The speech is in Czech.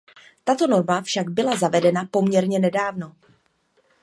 Tato norma však byla zavedena poměrně nedávno.